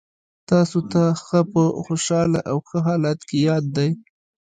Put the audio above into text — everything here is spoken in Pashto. تاسو ته هغه په خوشحاله او ښه حالت کې یاد دی